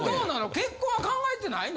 結婚は考えてないの？